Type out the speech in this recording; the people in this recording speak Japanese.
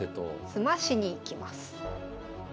詰ましにいきます。